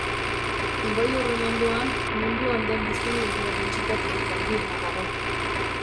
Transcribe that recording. Ibai horren ondoan, munduan den biztanleria-dentsitaterik handiena dago.